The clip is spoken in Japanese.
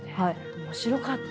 面白かった。